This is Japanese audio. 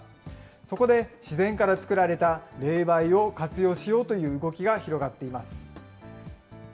そこで自然から作られた冷媒を活用しようという動きが広がっています。